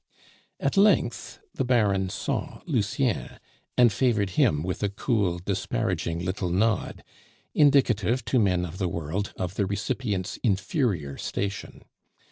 At length the Baron saw Lucien, and favored him with a cool, disparaging little nod, indicative to men of the world of the recipient's inferior station.